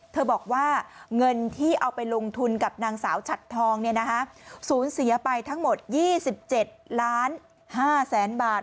บอกว่าเงินที่เอาไปลงทุนกับนางสาวฉัดทองสูญเสียไปทั้งหมด๒๗ล้าน๕แสนบาท